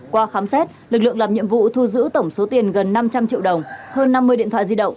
qua khám xét lực lượng làm nhiệm vụ thu giữ tổng số tiền gần năm trăm linh triệu đồng hơn năm mươi điện thoại di động